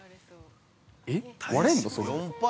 ◆え、割れんの、それで。